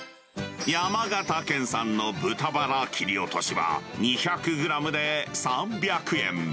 山形県産の豚バラ切り落としは、２００グラムで３００円。